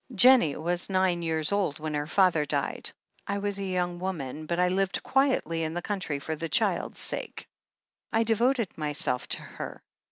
' "Jennie was nine years old when her father died. I was a young woman, but I lived quietly in the country for the child's sake. I devoted myself to her.